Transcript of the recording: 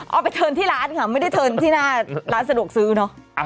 เอาไปเทินที่ร้านค่ะไม่ได้เทินที่หน้าร้านสะดวกซื้อเนอะ